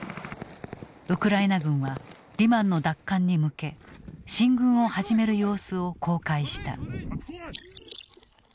ウクライナ軍はリマンの奪還に向け進軍を始める様子を公開した。